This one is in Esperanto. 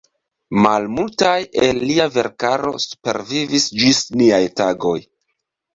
Malmultaj el lia verkaro supervivis ĝis niaj tagoj.